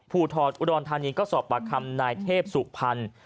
ภูทรอุดรทานีก็สอบบัตรคำนายเทพศุกร์พันธ์